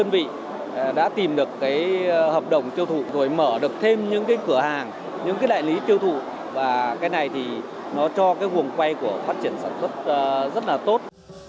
và cái này thì nó cho cái vùng quay của phát triển sản xuất rất là tốt